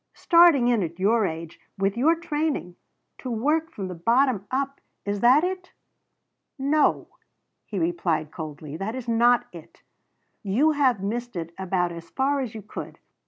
Starting in at your age with your training to 'work from the bottom up' is that it?" "No," he replied coldly, "that is not it. You have missed it about as far as you could.